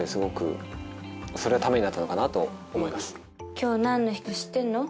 今日何の日か知ってんの？